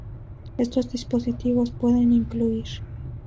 Estos dispositivos pueden incluir